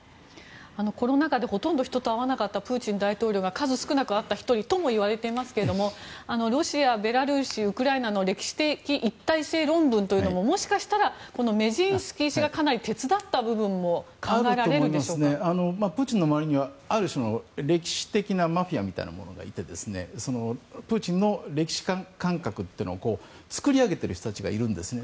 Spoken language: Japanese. コロナ禍でほとんど人と会わなかったプーチン大統領が数少なく会った１人ともいわれていますけどロシア、ベラルーシウクライナの歴史的一体性論文というのももしかしたらメジンスキー氏がかなり手伝った部分もプーチンの周りにはある種の歴史的なマフィアみたいなものがいてプーチンの歴史感覚というのを作り上げてる人たちがいるんですね。